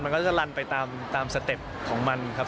มันก็จะลันไปตามสเต็ปของมันครับ